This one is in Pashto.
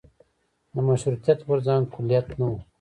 د مشروطیت غورځنګ کلیت نه و.